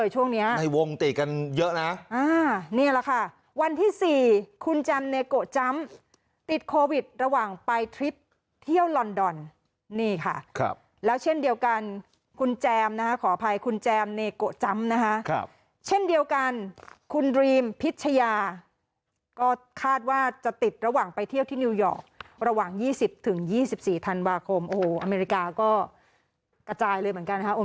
ชนบุรีก็เยอะเลยช่วงนี้นะครับ